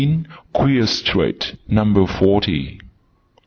QUEER STREET, NUMBER FORTY.